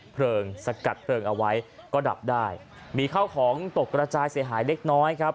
เพลิงสกัดเพลิงเอาไว้ก็ดับได้มีข้าวของตกกระจายเสียหายเล็กน้อยครับ